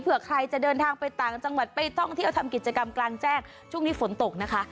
เพื่อใครจะเดินทางไปต่างจังหวัดไปท่องเที่ยวทำกิจกรรมกลางแจ้งช่วงนี้ฝนตกนะคะ